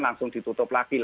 langsung ditutup lagi